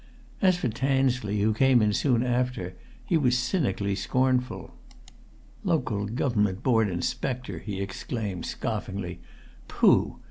As for Tansley, who came in soon after, he was cynically scornful. "Local Government Board Inspector!" he exclaimed scoffingly. "Pooh!